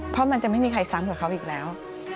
เพราะมันจะไม่มีใครซ้ำกับเขาอีกแล้ว